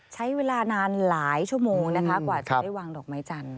ใช้เวลานานหลายชั่วโมงนะคะกว่าจะได้วางดอกไม้จันท